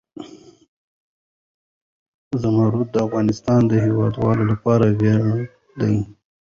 زمرد د افغانستان د هیوادوالو لپاره ویاړ دی.